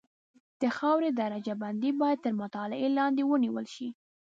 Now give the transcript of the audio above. د خاورې درجه بندي باید تر مطالعې لاندې ونیول شي